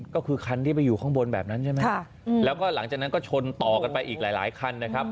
ก็คือคันที่ไปอยู่ข้างบนแบบนั้นใช่ไหมแล้วก็หลังจากนั้นก็ชนต่อกันไปอีกหลายหลายคันนะครับ